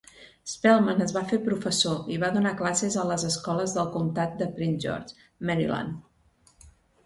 Spellman es va fer professor i va donar classes a les escoles del comtat de Prince George, Maryland.